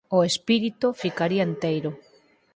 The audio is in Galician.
O espírito ficaría enteiro.